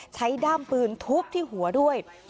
ด้ามปืนทุบที่หัวด้วย